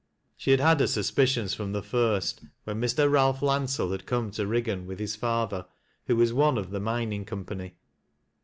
She had had her suspicions from the iirst, wlien Mr. Ralph Landsell had come to Eiggan with his father, who was one of the mining company.